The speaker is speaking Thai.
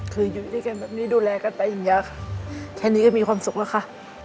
คืออยู่ด้วยกันแบบนี้ดูแลกันไปอีกยาวค่ะแค่นี้ก็มีความสุขแล้วค่ะ